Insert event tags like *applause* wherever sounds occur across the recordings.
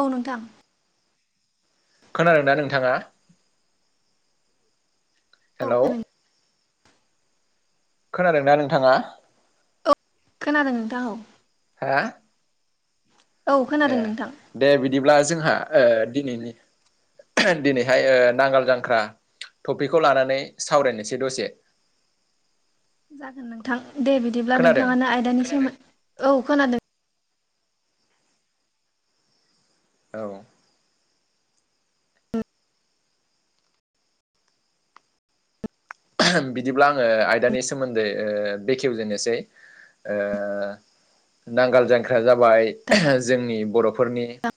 औ नोंथां। खोनादोंना नोंथाङा? औ हेल'। खोनादों खोनादोंना नोंथाङा? औ खोनादों नोंथां औ। हा? औ ए खोनादों नोंथां दे बिदिब्ला जोंहा ओ दिनैनि दिनैहाय नांगाल जांख्रा थपिकखौ लानानै सावरायनोसै दसे। जागोन नोंथां दे बिदिब्ला खोनादों नोंथाङानो आयदानि सोमोनद औ खोनादों। औ। बिदिब्ला आङो आयदानि सोमोन्दै ओ बेखेवजेननोसै। ओ नांगाल जांख्राया जाबाय जोंनि बर'फोरनि नोंथां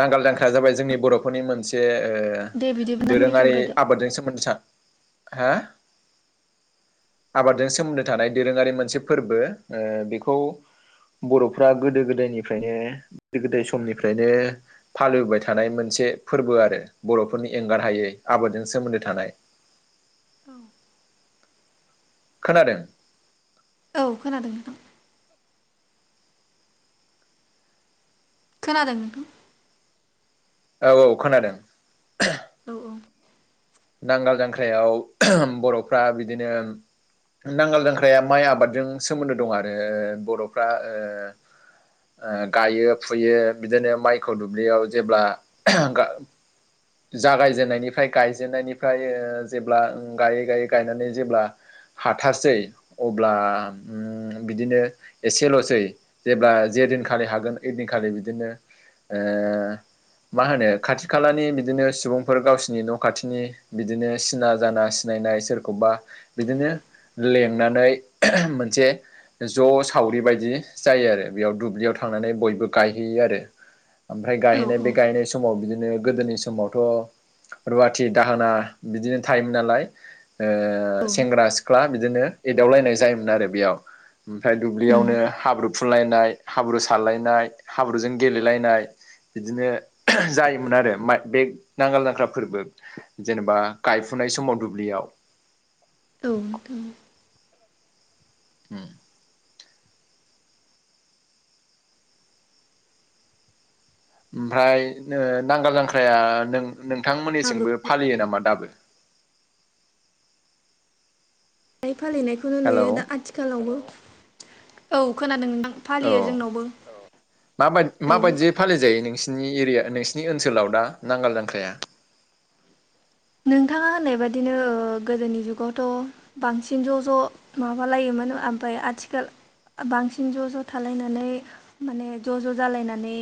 नांगोल दांख्राया जाबाय जोंनि बर'फोरनि मोनसे ओ दे बिदिब्ला नों दोरोङारि बेखेवग्रोदो आबादजों सोमोन्दो स हा आबादजों सोमोन्दो थानाय दोरोङारि मोनसे फोरबो। ओ बेखौ बर'फ्रा गोदो गोदायनिफ्रायनो गोदो गोदाय समनिफ्रायनो फालोबाय थानाय मोनस से फोरबो आरो बर'फोरनि एंगार हायै आबादजों सोमोन्दो थानाय। खोनादों। औ खोनादों नोंथां। खोनादों नोंथां। औ औ खोनादों। औ औ। नांगाल जांख्रायाव ओह बर'फ्रा बिदिनो नांगाल जांख्राया माइ आबादजों सोमोन्दो दं आरो बर'फ्रा ओ ओ गायो फुयो बिदिनो माइखौ दुब्लियाव जेब्ला गा जागायजेननायनिफ्राय गाय जेननायनिफ्राय ओ जेब्ला गायै गायै गायनानै जेब्ला हाथारसै अब्ला उम बिदिनो एसेल'सै जेब्ला जे दिनखालि हागोन ओइदिनखालि बिदिनो ओ मा होनो खाथि खालानि बिदिनो सुबुंफोर गावसिनि न' खाथिनि बिदिनो सिना जाना सिनायनाय सोरखौबा बिदिनो लेंनानै मोनसे ज' सावरि बायदि जायो आरो बेयाव दुब्लियाव थांनानै बयबो गायहै यो आरो ओमफ्राय औ गायनाय औ बे गायनाय समाव बिदिनो गोदोनि समावथ' रुवाथि दाहोना बिदिनो थायोमोन नालाय औ ओ सेंग्रा सिख्ला बिदिनो एदावलायनाय जायोमोन आरो बेयाव ओमफ्राय उम दुब्लियावनो हाब्रुु फुनलायनाय हाब्रु सारलायनाय हाब्रुजों गेलेलायनाय बिदिनो जायोमोन आरो बात बे नांगोल जांख्रा फोरबो जेनेबा गायफुनाय समाव दुब्लियाव। औ नोंथां औ। ओम। ओमफ्राय ओ नांगाल जांख्राया नों हाब्रु नोंथांमोननिसिमबो फालियो नामा दाबो? फालिनायखौनो हेलौ नुयो दा आथिखालावबो। औ खोनादोंना? औ औ माबायदियै फालिजायो नोंसि नोंनि एरिया नोंसिनि ओनसोलाव दा नांगाल जांख्राया नोंथाङा होननाय बादिनो गोदोनि जुगावथ' बांसिन ज' ज' माबालायोमोन। मोन ओमफ्राय आथिखाल बांसिन ज' ज' थालायनानै माने ज' ज' जालायनानै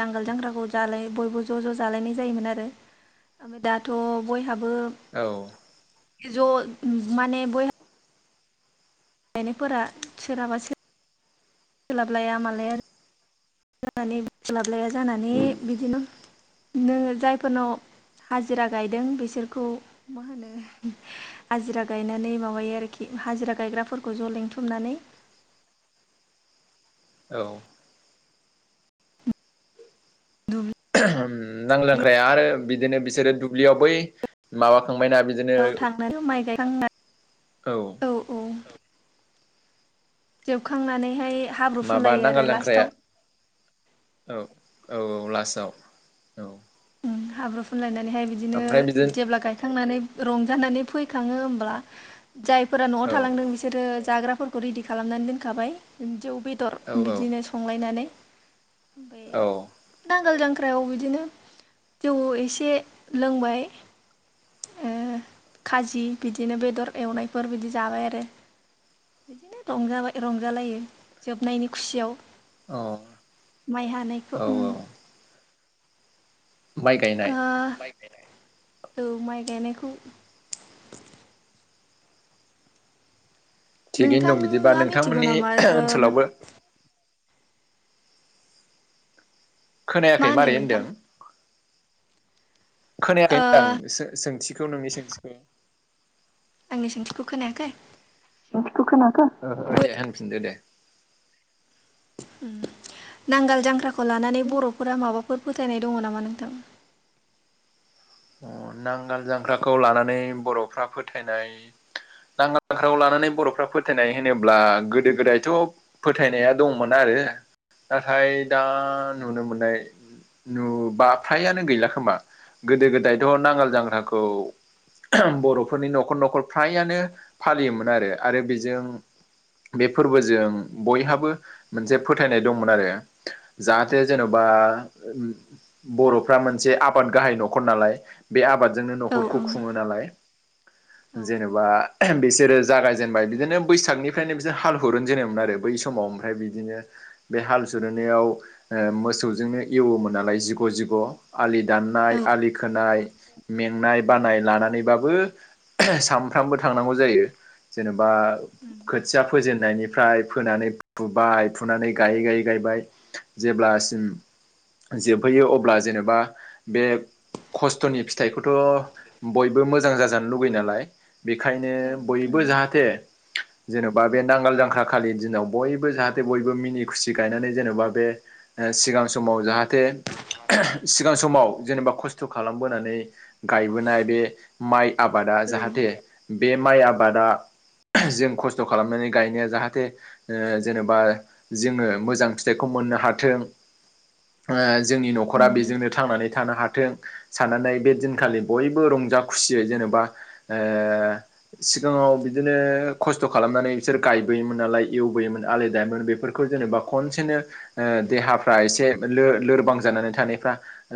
नांगोल जांग्राखौ जाला बयबो ज' ज' जालायनाय जायोमोन आरो ओम दाथ' बयहाबो औ ज' माने बय हाबो गायनायफोरा सोरहाबा सोर बा सोलाबलाया मालाया जानानै सोलाबलाया जानानै बिदिनो नोङो जायफोरनाव हाजिरा गायदों बिसोरखौ मा होनो हाजिरा गायनानै माबायो आरोखि हाजिरा गायग्राफोरखौ ज' लिंथुमनानै औ दुब्लि नांगालजांख्राया आरो बिदिनो बिसोरो दुब्लियाव बै माबा थांबायना बिदिनो थांनानै माइ गायखांना औ जोबखांनानैहाय हाब्रु माबा फुनलायो आरो नांगाल लांख्राया लास्टाव औ औ औ लास्टाव औ हाब्रु फुनलायनानैहाय बिदिनो ओमफ्राय बिदिनो जेब्ला गायखांनानै रंजानानै फैखाङो होनब्ला जायफोरा न'आव औ थालांदों बिसोर जाग्रा फोरखौ रेडि खालामनानै दोनखाबाय जौ बेदर औ बिदिनो संलायनानै ओमफ्राय औ नांगोल जांख्रायाव बिदिनो जौ एसे लोंबाय ओम खाजि बिदिनो बेदर एवनायफोर बिदि जाबाय आरो बिदिनो रंजाबाय रंजालायो जोबनायनि खुसियाव औ माइ हानायखौ औ ओम माइ ओ गायनाय औ माइ गायनायखौ थिगैनो दं बिदिबा नोंथाङा मिथिगौ नोंथांमोननि नामा ओ ओनसोलावबो मा खोनायाखै मारै होनदों। नोंथां खोनायाखै ओ होनदां सोंथिखौ नोंनि सोंथिखौ आंनि सोंथिखौ खोनायाखै? *unintelligible* बो दे होनफिनदो दे नांगाल जांख्राखौ लानानै बर'फोरा माबा माबाफोर फोथायनाय दङ नामा नोंथां? नांगाल जांग्राखौ लानानै बर'फ्रा फोथायनाय नांगालख्रायाव लानानै बर'फ्रा फोथायनाय होनोब्ला गोदो गोदायथ' फोथायनाया दंमोन आरो नाथाय दा नुनो मोननाय नुबाथायानो गैला खोमा गोदो गोदायथ' नांगाल जांग्राखौ बर'फोरनि न'खर न'खर फ्रायानो फालियोमोन आरो आरो बेजों बे फोरबोजों बयहाबो मोनसे फोथायनाय दंमोन आरो जाहाथे औ जेन'बा बर'फ्रा मोनसे आबाद गाहाय न खर नालाय बे आबादजोंनो औ न'खरखौ खुङो नालाय औ जेनेबा बिसोरो जागायजेनबाय बिदिनो बैसागनि बनिफ्रायनो बि हाल हुरनजेनोममोन आरो बै समाव ओमफ्राय बिदिनो बे हाल दुरनायाव मोसौजोंनो इवोमोन नालाय जिग' जिग' आलि दान औ आलि खोनाय मेंनाय बानाय लानानैबाबो सानफ्रामबो थांनांगौ जायो जेनेबा खोथिया फोेजेन नायनिफ्राय फोनानै फुबाय फुनानै गायै-गायै गायबाय जेब्लासिम जोबहैयो अब्ला जेनेबा बे खस्थ'नि फिथाइखौथ' बयबो मोजां जाजानो लुगैयो नालाय बेखायनो औ बयबो जाहाथे जेन'बा बे नांगोल जांख्रा खालि दिनाव बयबो जाहाथे बयबो मिनि खुसि गायनानै जेन'बा बे सिगां समाव जाहाथे सिगां समाव जेनेबा खस्थ' स्थ' खालामबोनानै गायबोनाय बे माइ आबादा जाहाथे बे माइ आबादा जों खस्थ' खालामनानै गायनाया जाहाथे ओ जेनेबा जोङो मोजां फिथाइखौ मोननो हाथों ओ जोंनि न'खरा बेजोंनो थांनानै थानो हाथों साननानै बे दिनखालि बयबो रंजा खुसियै जेनेबा सिगाङाव बिदिनो खस्थ' खालामनानै बिसोर गायबोयोमोन नालाय एवबोयोमोन आलि दाबोमोन बेफोरखौ जेनेबा खनसेनो देहाफ्रा एसे लोर-लोरबां जानानै थानायफ्रा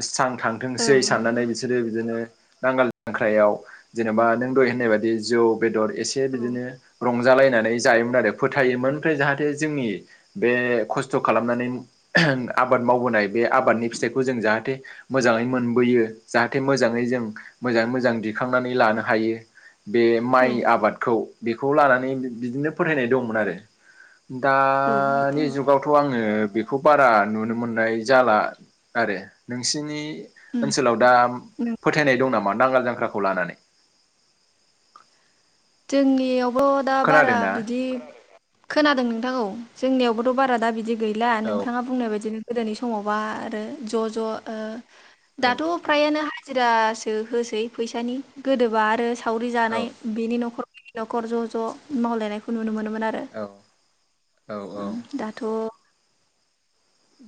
स्रां थाङो औ सै साननानै बिसोरो बिदिनो नांगाल जांख्रायाव जेनेबा नों दहाय होननाय बायदि जौ बेदर एसे बिदिनो रंजालायनानै जायोमोन आरो फोथायोमोन ओमफ्राय जाहाथे जोंनि बे खस्थ' खालामनानै आ आबाद मावबोनाय बे आबादनि फिथाइखौ जों जाहाथे मोजाङै मोन बोयो जाहाथे मोजाङै जों मोजाङै मोजां दिखांनानै लानो हायो बे माइ औ आबादखौ बेखौ लानानै बिदिनो फोथायनाय दंमोन आरो दानि जुगावथ' आङो बे खौ बारा नुनो मोननाय जाला आरो नोंसिनि उम ओनसोलाव दा फोथायनाय दं नामा नांगाल जांख्राखौ लानानै जोंनियावबो दा बारा खोनादोंना? बिदि खोनादों नोंथां औ जोंनियावबोथ' बारा दा बिदि गैला औ नोंथाङा बुंनाय बायदिनो गोदोनि समावबा आरो ज' ज' ओ औ दाथ' फ्रायानो जिरासो होसै फैसानि गोदोबा आरो सावरि औ जानाय बेनि न'खर न न'खर ज'- ज' मावलायनायखौ नुनो मोनो मोन आरो औ औ ओ दाथ'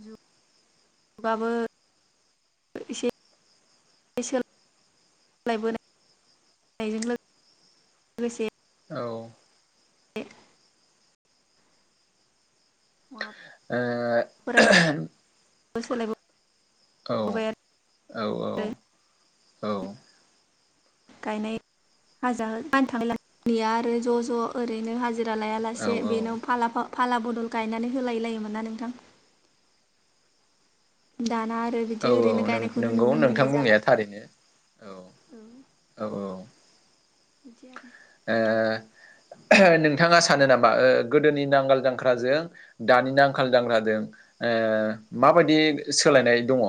जुगाबो एसे सोलायबोनाय लोगोसे औ ए ओ सोलायबो औ -औ -औ -औ गायनाय हाज थां गया आरो ज' ज' ओरैनो हाज हाजिरा लाया औ लासे बेन औ फाला बदल गायनानै होलाय लायोमोन ना नोंथां दाना आरो बिदि औ औ ओरैनो नों गायनायखौनो नोंगौ नुनो नोंथां मोननाय जाला बुंनाया थारैनो औ -औ -औ बिदि आरो ओ नोंथाङा सानो नामा ओ गोदोनि नांगोल जांख्राजों दानि नखाल जांख्राजों माबायदि सोलायनाय दङ।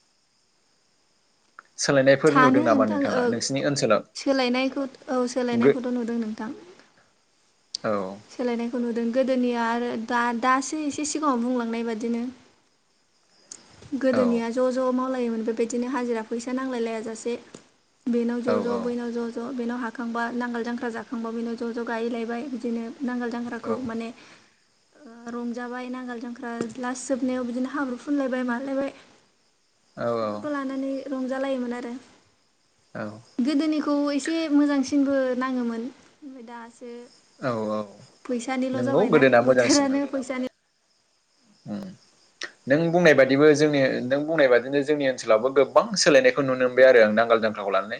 *inaudible* सोलायनायफोर सानो नुदों नामा नोंथाङा नोंथां नोंसिनि ओनसोलाव। सोलायनायखौ औ गो सोलायनायखौथ' नुदों नोंथां। औ सोलायनायखौ नुदों गोदोनिया आरो दा दासो एसे सिगाङाव बुंलांनाय बादिनो। औ गोदोनिया ज' ज' मावलायोमोन बेबायदिनो हाजिरा फैसा नांलाय लायाजासे। बेनाव औ ज' ज' बैनाव ज' ज'। बेनाव हाखांबा नांगाल जांख्रा जाखांबा बेनाव ज' ज' गायैलायबाय बिदिनो नांगोल औ जांख्राखौ माने। रंजाबाय नांगोल जांख्रा लास जोबनायाव बिदिनो हाब्रु फुनलाय बाय मालायबाय औ बेफोरखौ लानानै रंजालायोमोन आरो। औ गोदोनिखौ एसे मोजांसिनबो नाङोमोन ओमफ्राय दासो। औ औ फैसानिल' जाबायना बोथोरानो फैसानि। ओ नों बुंनाय बादिबो जोंनि नों बुंनाय बादिनो जोंनि ओनसोलावबो गोबां सोलायनायखौ नुनो मोनबाय आरो आं दा। नांगाल जांख्राखौ लानानै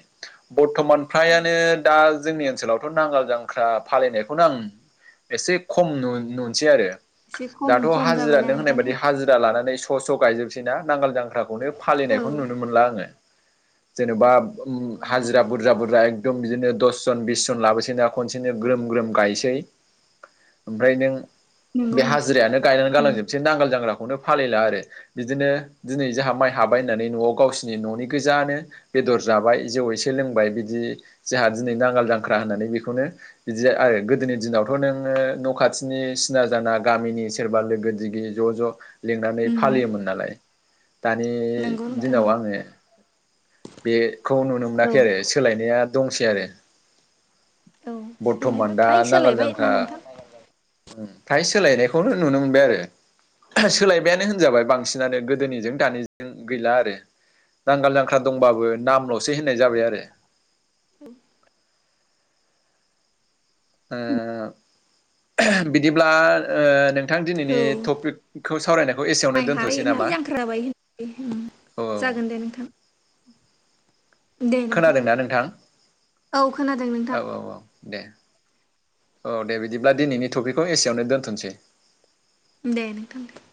बर्थमान औ फ्रायानो दा जोंनि ओनसोलावथ' नांगाल जांख्रा फालिनायखौ। खौनो आं एसे खम नु-नुनसै आरो। एसे दाथ' खम खम हाजिरा जाबायना नो होननाय नोंथां बायदि हाजिरा लानानै। स' ज' गायजोबसै ना नांगाल जांख्राखौनो औ फालिनायखौनो नुनो मोनला आङो जेनेबा। नंगौ नोंथां हाजिरा नंगौ बुरजा बुरजा एकदम बिदिनो दस दस जन बिस जन लाबोसै ना खनसेनो ग्रोम ग्रोम गायसै ओमफ्राय नों। नंगौ बे नोंथां हाजिरायानो गायनानै गालांजोबसै नांगोल जांख्रा नो फालिला आरो बिदिनो दिनै जोंहा माइ हाबाय होननानै न'आव गावसोरनि न'नि गोजानो बे। बेदर जाबाय जौै एसे लोंबाय बिदि जोंहा दिनै नांगाल जांख्रा होननानै बेखौनो बिदि आरो। गोदोनि दिनावथ' नोङो। न' खाथिनि सिना जाना गामिनि सोरबा लोगो दिगि ज' ज'। लिंनानै उम फालियोमोन नालाय दानि नंगौ नोंथां दिनाव नंगौ आङो। बेखौ नुनो मोनाखै आरो औ सोलायनाया दंसै आरो। औ बर्थमान सोलायबाय दा फ्राय नांगोल सोलायबाय ना जांख्रा। नोंथां फ्राय सोलायनायखौनो नुनो मोनबाय आरो सोलायबायानो होनजाबाय बांसिनानो गोदोनिजों दानिजों गैला आरो। नांगोल जांख्रा दंबाबो नामल'सै होननाय जाबाय आरो। ओ बिदिब्ला ओ नों नोंथां दिनैनि औ टपिकखौ सावरायनायखौ एसेयावनो माइ हायै दोन्थ'सै नाय नामा। जांख्रा जाबाय होन औ जागोन दे नोंथां। खोनादोंना नोंथां औ खोनादों औ नोंथां औ औ दे। औ दे बिदिब्ला दिनैनि टपिकखौ एसेयावनो दोन्थ'सै। दे नोंथां दे।